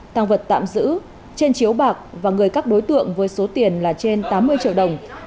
tăng vật tạm giữ trên chiếu bạc và người các đối tượng với số tiền là trên tám mươi triệu đồng